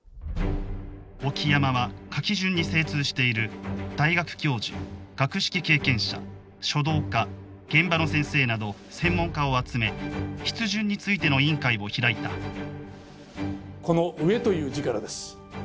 沖山は書き順に精通している大学教授学識経験者書道家現場の先生など専門家を集め「筆順についての委員会」を開いたこの「上」という字からです。